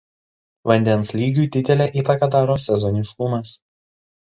Vandens lygiui didelę įtaką daro sezoniškumas.